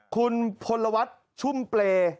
คุณพลวัฒน์ชุ่มเปรย์